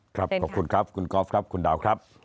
ขอบคุณครับคุณกอล์ฟครับคุณดาวครับ